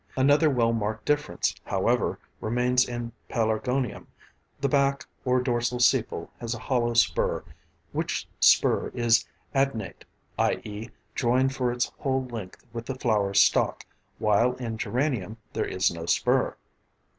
Another well marked difference, however, remains in Pelargonium: the back or dorsal sepal has a hollow spur, which spur is adnate, i.e. joined for its whole length with the flower stalk; while in Geranium there is no spur.